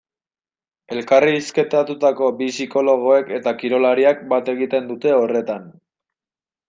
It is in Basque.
Elkarrizketatutako bi psikologoek eta kirolariak bat egiten dute horretan.